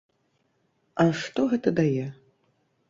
А што гэта дае?